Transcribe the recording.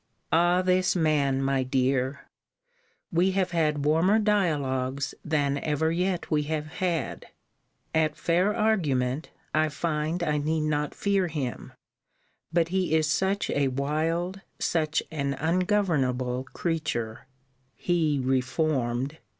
Ah! this man, my dear! We have had warmer dialogues than ever yet we have had. At fair argument, I find I need not fear him;* but he is such a wild, such an ungovernable creature [he reformed!